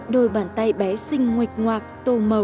đôi bàn tay bé xinh nguệch ngoạc tô màu